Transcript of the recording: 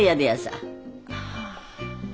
はあ。